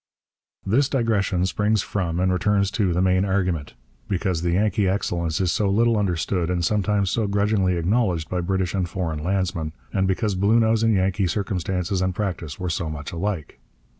This digression springs from and returns to the main argument; because the Yankee excellence is so little understood and sometimes so grudgingly acknowledged by British and foreign landsmen, and because Bluenose and Yankee circumstances and practice were so much alike.